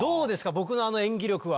僕のあの演技力は。